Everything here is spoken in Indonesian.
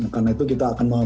karena itu kita akan mencoba